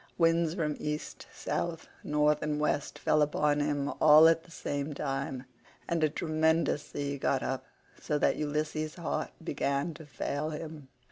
Winds from East, South, North, and West fell upon him all at the same time, and a tremendous sea got up, so that Ulysses' heart began to fail him.